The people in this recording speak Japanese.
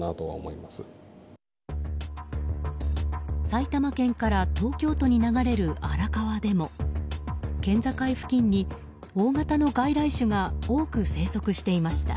埼玉県から東京都に流れる荒川でも県境付近に大型の外来種が多く生息していました。